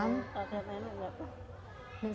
pak ketan enggak apa